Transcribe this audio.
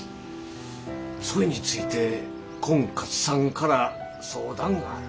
そいについてこん勝さんから相談がある。